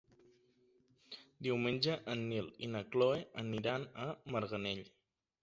Diumenge en Nil i na Cloè aniran a Marganell.